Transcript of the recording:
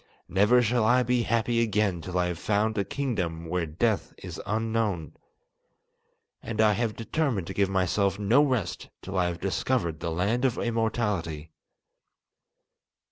Never shall I be happy again till I have found a kingdom where death is unknown. And I have determined to give myself no rest till I have discovered the Land of Immortality.